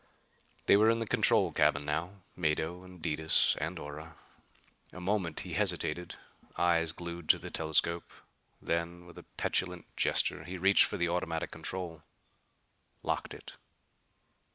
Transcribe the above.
They were in the control cabin now Mado and Detis and Ora. A moment he hesitated, eyes glued to the telescope. Then, with a petulant gesture, he reached for the automatic control; locked it.